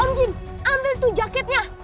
om jin ambil tuh jaketnya